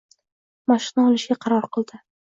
mashqni olishga qaror qildi.